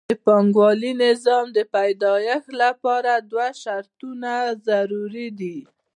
د پانګوالي نظام د پیدایښت لپاره دوه شرطونه ضروري دي